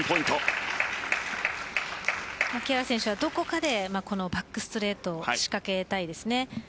木原選手はどこかでこのバックストレートを仕掛けたいですね。